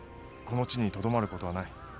この地にとどまる事はない。